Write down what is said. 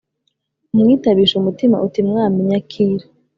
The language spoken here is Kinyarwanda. umwitabishe umutima. uti mwami, nyakira !